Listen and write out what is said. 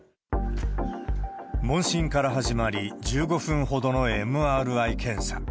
問診から始まり、１５分ほどのＭＲＩ検査。